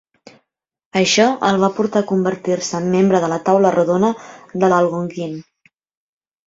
Això el va portar a convertir-se en membre de la Taula Rodona de l'Algonquin.